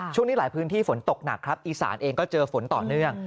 ช่วงนี้หลายพื้นที่ฝนตกหนักครับอีสานเองก็เจอฝนต่อเนื่อง